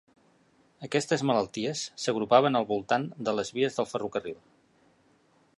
Aquestes malalties s'agrupaven al voltant de les vies del ferrocarril.